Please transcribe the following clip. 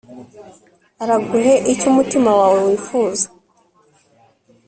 araguhe icyo umutima wawe wifuza